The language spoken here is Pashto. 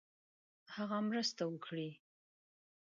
هغه مرسته وکړي.